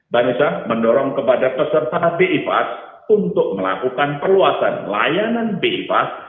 banesa mendorong kepada peserta bipas untuk melakukan perluasan layanan bipas